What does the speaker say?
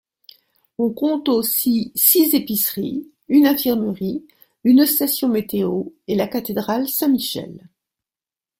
On compte aussi six épiceries, une infirmerie, une station météo et la cathédrale Saint-Michel.